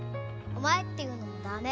お前って言うのも駄目。